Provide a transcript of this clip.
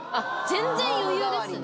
全然余裕ですね。